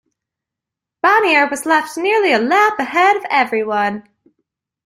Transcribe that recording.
Bonnier was left nearly a lap ahead of everyone.